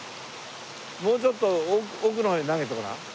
もうちょっと奥の方へ投げてごらん。